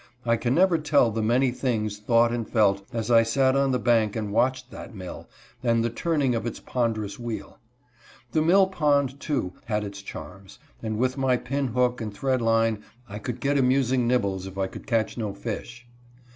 I can never tell the many (29) 30 MY OLD MAb'rEtf. things thought and felt, as I sat on the loanK and watched that mill, and the turning of its ponderous wheel. The mill pond, too, had its charms ; and with my pin hook and thread line, I could get amusing nibbles if I could catch no fish.